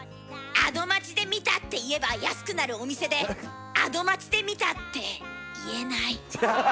「『アド街』で見た」って言えば安くなるお店で「『アド街』で見た」って言えない。